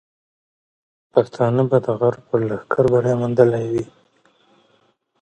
پښتانه به د غرب پر لښکر بری موندلی وي.